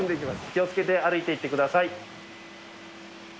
気をつけて歩いて行ってください。